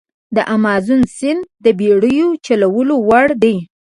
د امازون سیند د بېړیو چلولو وړ دی.